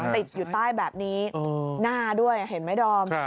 ติดอยู่ใต้แบบนี้หน้าด้วยเห็นไหมดอม